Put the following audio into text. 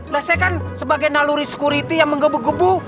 loh saya kan sebagai naluri sekuriti yang menggebu gebu